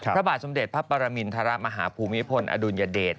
พระบาทสมเด็จพระปรมินทรมาฮภูมิพลอดุลยเดช